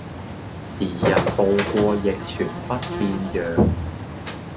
時日步過亦全不變樣